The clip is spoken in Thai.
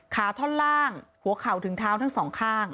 ท่อนล่างหัวเข่าถึงเท้าทั้งสองข้าง